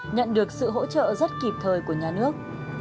nhận được sự hỗ trợ rất kịp thời của nhà nước